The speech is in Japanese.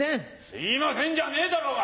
「すいません」じゃねえだろうが！